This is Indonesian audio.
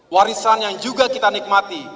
warisan yang juga kita nikmati